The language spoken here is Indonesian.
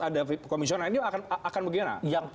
ada komisioner ini akan bagaimana